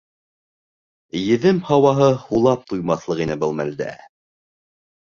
Еҙем һауаһы һулап туймаҫлыҡ ине был мәлдә...